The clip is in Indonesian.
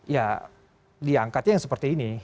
ya diangkatnya yang seperti ini